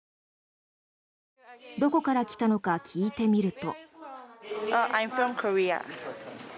どこから来たのか聞いてみると。